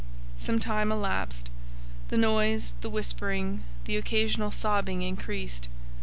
Some time elapsed. The noise, the whispering, the occasional sobbing increased.